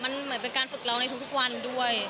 มันเหมือนเป็นการฝึกเราในทุกวันด้วย